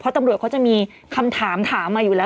ตำรวจเขาจะมีคำถามถามมาอยู่แล้ว